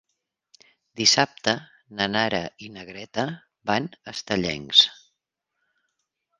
Dissabte na Nara i na Greta van a Estellencs.